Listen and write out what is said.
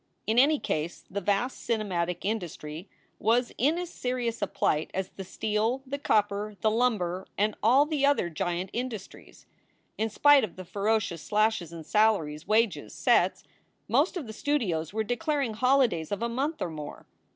In any case, the vast cinematic industry was in as serious a plight as the steel, the copper, the lumber, and all the other giant industries. In spite of the ferocious slashes in salaries, wages, sets, most of the studios were declaring holidays of a month or more.